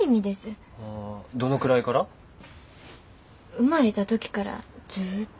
生まれた時からずっと。